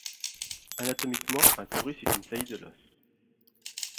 Anatomiquement, un torus est une saillie de l'os.